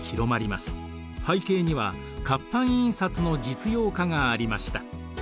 背景には活版印刷の実用化がありました。